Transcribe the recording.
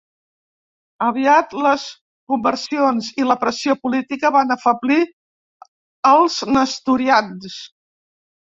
Aviat les conversions i la pressió política van afeblir als nestorians.